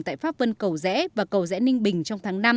tại pháp vân cầu rẽ và cầu rẽ ninh bình trong tháng năm